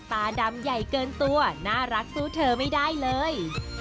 ตาดำใหญ่เกินตัวน่ารักสู้เธอไม่ได้เลย